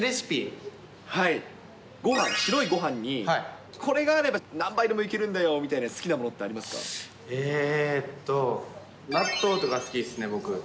ごはん、白いごはんに、これがあれば何杯でもいけるんだよみたいな、好きなものってあり納豆とか好きですね、僕。